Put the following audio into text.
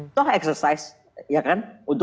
itu kan exercise ya kan